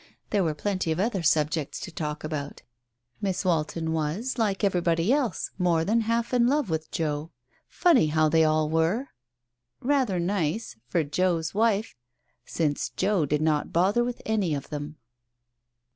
There were plenty of other subjects to talk about. Miss Walton was, like everybody else, more than half in love with Joe. ... Funny how they all were ! Rather nice; — for Joe's wife, since Joe did not bother with any of them.